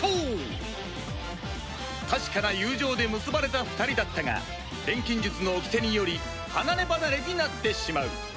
確かな友情で結ばれた２人だったが錬金術の掟により離ればなれになってしまう